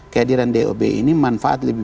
kehadiran dob ini manfaat lebih